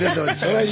はい。